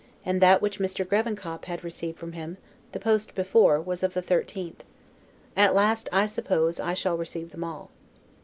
and that which Mr. Grevenkop had received from him, the post before, was of the 13th; at last, I suppose, I shall receive them all.